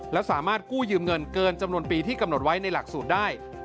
และสามารถกู้ยืมเงินเกินจำนวนปีที่กำหนดไว้ในหลักสูตรได้